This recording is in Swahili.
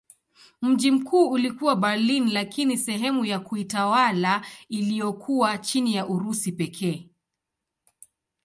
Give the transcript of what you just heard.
Mji mkuu ulikuwa Berlin lakini sehemu ya kiutawala iliyokuwa chini ya Urusi pekee.